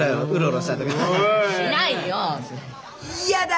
「嫌だ！